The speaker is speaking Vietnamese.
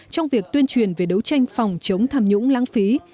trong việc tuyên truyền về đấu tranh phòng chống tham nhũng lãng phí